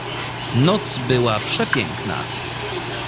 "Noc była przepiękna."